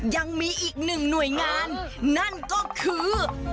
ยังมีอีกหนึ่งหน่วยงานนั่นก็คือ